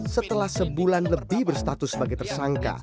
setelah sebulan lebih berstatus sebagai tersangka